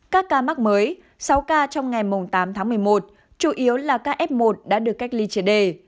các ca mắc mới sáu ca trong ngày tám tháng một mươi một chủ yếu là ca f một đã được cách ly triệt đề